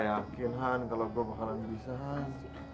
gua gak yakin han kalo gua bakalan bisa han